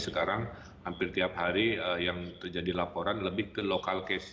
sekarang hampir tiap hari yang terjadi laporan lebih ke local case